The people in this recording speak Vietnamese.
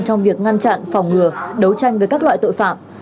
trong việc ngăn chặn phòng ngừa đấu tranh với các loại tội phạm